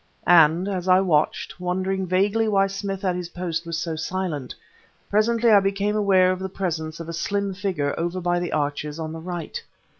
And, as I watched, wondering vaguely why Smith at his post was so silent, presently I became aware of the presence of a slim figure over by the arches on the right.